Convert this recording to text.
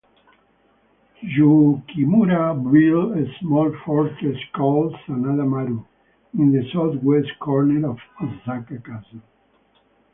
Yukimura built a small fortress called Sanada-maru in the southwest corner of Osaka Castle.